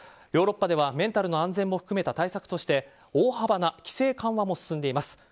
ヨーロッパではメンタルの安全も含めた対策として大幅な規制緩和も進んでいます。